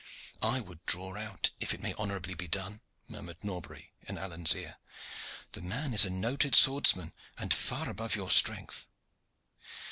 "I would draw out if it may honorably be done," murmured Norbury in Alleyne's ear. "The man is a noted swordsman and far above your strength."